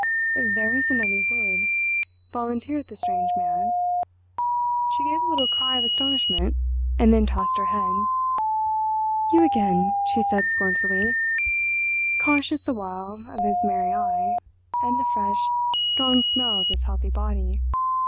"There isn't any wood," volunteered the strange man. She gave a little cry of astonishment, and then tossed her head. "You again," she said scornfully, conscious the while of his merry eye, and the fresh, strong smell of his healthy body.